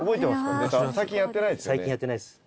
最近やってないです。